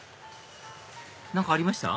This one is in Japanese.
何かありました？